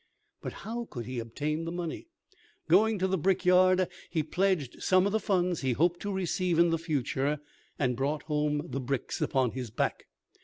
But how could he obtain the money? Going to the brick yard, he pledged some of the funds he hoped to receive in the future, and brought home the bricks upon his back.